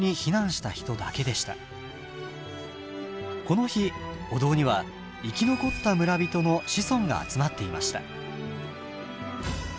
この日お堂には生き残った村人の子孫が集まっていました。